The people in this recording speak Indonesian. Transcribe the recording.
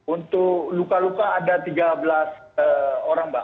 untuk luka luka ada tiga belas orang mbak